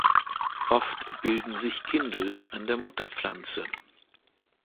Oft bilden sich Kindel an der Mutterpflanze.